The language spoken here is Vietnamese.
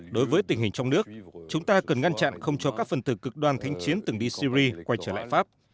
đối với tình hình trong nước chúng ta cần ngăn chặn không cho các phần tử cực đoan thánh chiến từng đi syri quay trở lại pháp